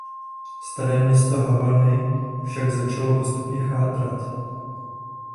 Staré město Havany však začalo postupně chátrat.